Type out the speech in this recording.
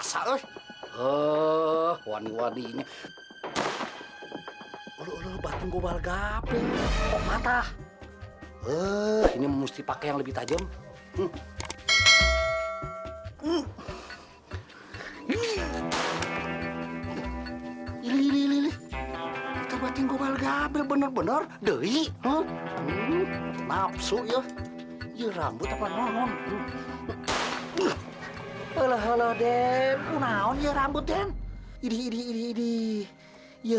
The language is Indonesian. sampai jumpa di video selanjutnya